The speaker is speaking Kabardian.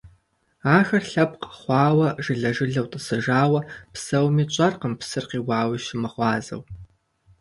Ахэр лъэпкъ хъуахэу, жылэ-жылэу тӀысыжауэ псэуми, тщӀэркъым, псыр къиуауи щымыгъуазэу.